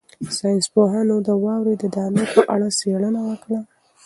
ساینس پوهانو د واورې د دانو په اړه څېړنه وکړه.